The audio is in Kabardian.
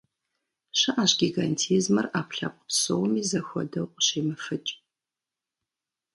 ЩыӀэщ гигантизмыр Ӏэпкълъэпкъ псоми зэхуэдэу къыщемыфыкӀ.